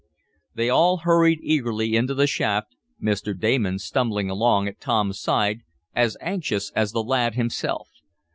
They all hurried eagerly into the shaft, Mr. Damon stumbling along at Tom's side, as anxious as the lad himself.